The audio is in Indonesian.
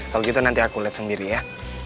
kalau gitu nanti aku lihat sendiri ya